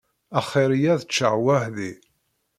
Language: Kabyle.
Axir-iyi ad ččeɣ weḥd-i.